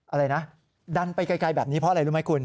อะไรนะดันไปไกลแบบนี้เพราะอะไรรู้ไหมคุณ